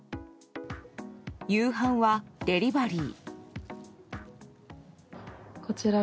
夕飯はデリバリー。